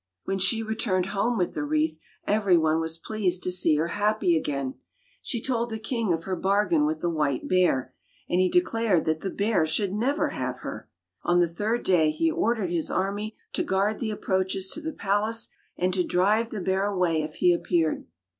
When she returned home with the wreath every one was pleased to see her happy again. She told the king of her bargain with the white bear, and he declared that the bear should never have her. On the third day he ordered his army to guard the approaches to the palace, and to drive the bear away if he appeared.